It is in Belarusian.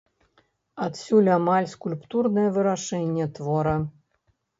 Адсюль амаль скульптурнае вырашэнне твора.